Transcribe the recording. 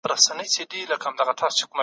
ادبیات د انسان د روح سکون دئ.